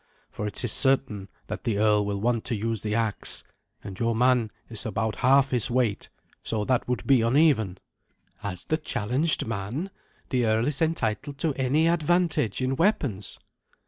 For it is certain that the earl will want to use the axe, and your man is about half his weight, so that would be uneven." "As the challenged man, the earl is entitled to any advantage in weapons."